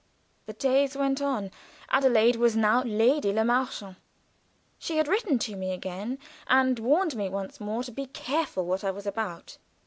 The days went on. Adelaide was now Lady Le Marchant. She had written to me again, and warned me once more to be careful what I was about.